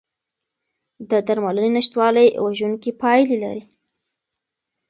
د درملنې نشتوالی وژونکي پایلې لري.